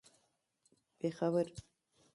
پېښور